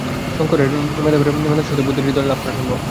শঙ্করের মেধার সহিত বুদ্ধের হৃদয় লাভ করা সম্ভব।